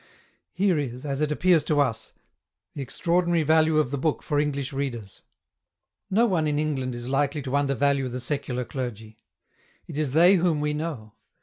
Here is, as it appears to us, the extra ordinary value of the book for English readers. No one in England is likely to undervalue the secular clergy. It is they whom we know.